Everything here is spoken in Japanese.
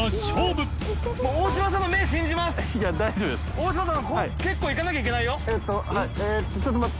大島さん）